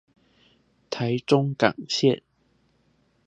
臺中港線